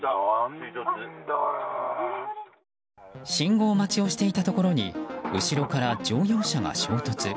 信号待ちをしていたところに後ろから乗用車が衝突。